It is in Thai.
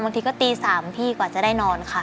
บางทีก็ตี๓พี่กว่าจะได้นอนค่ะ